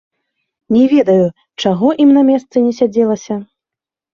Не ведаю, чаго ім на месцы не сядзелася.